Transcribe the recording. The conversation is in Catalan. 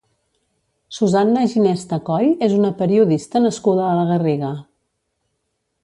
Susanna Ginesta Coll és una periodista nascuda a la Garriga.